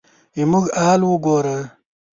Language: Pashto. زموږ حال وګوره ؟